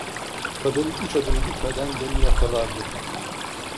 Kadın üç adım gitmeden beni yakalardı.